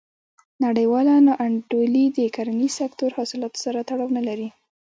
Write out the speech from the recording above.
نړیواله نا انډولي د کرنیز سکتور حاصلاتو سره تړاو نه لري.